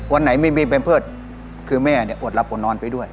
วันไหนไม่มีแบมเพิร์ตคือแม่เนี่ยอดรับอดนอนไปด้วย